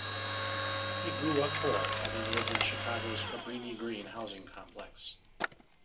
He grew up poor, having lived in Chicago's Cabrini-Green housing complex.